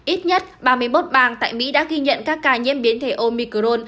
ít nhất ba mươi một bang tại mỹ đã ghi nhận các ca nhiễm biến thể omicron